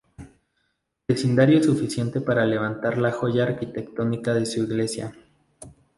Vecindario suficiente para levantar la joya arquitectónica de su iglesia.